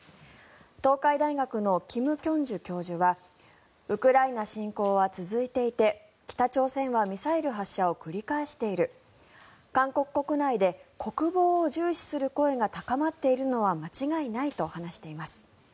東海大学の金慶珠教授はウクライナ侵攻は続いていて北朝鮮はミサイル発射を繰り返している韓国国内で国防を重視する声が高まっているのは間違いないと話しています。